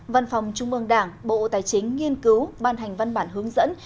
ba văn phòng trung mương đảng bộ tài chính nghiên cứu ban hành văn bản hướng dẫn